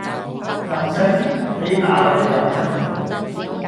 任性？你那來的任性？